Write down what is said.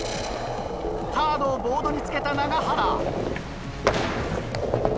カードをボードに付けた永原。